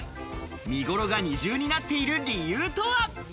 見頃が二重になっている理由とは？